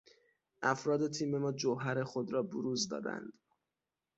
افراد تیم ما جوهر خود را بروز دادند.